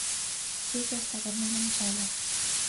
Федя савырнен ончале.